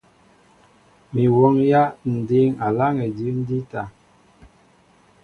Mi m̀wɔ́ŋyā Ǹ dǐŋ aláŋ edíw ǹjíta.